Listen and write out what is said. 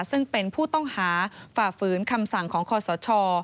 ซึ่งเป็นผู้ต้องหาฝ่าฝืนคำสั่งของคอสช